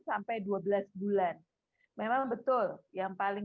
sampai dua belas bulan memang betul yang paling